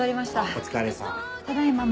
お疲れさん。